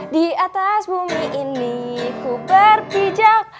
di atas bumi ini ku berpijak